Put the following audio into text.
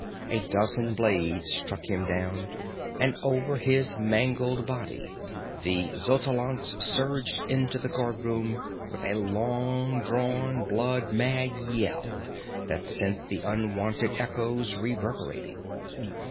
A dozen blades struck him down, and over his mangled body the Xotalancas surged into the guardroom, with a long drawn, blood mad yell that sent the unwonted echoes reverberating.